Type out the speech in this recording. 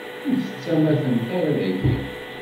Ur tettemmatemt ara daki.